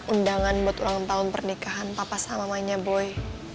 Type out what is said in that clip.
undangan buat ulang tahun pernikahan papa sama mamanya boy